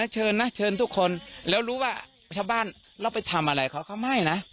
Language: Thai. เชิญนะเชิญทุกคนแล้วรู้ว่าชาวบ้านเราไปทำอะไรเขาเขาไม่นะ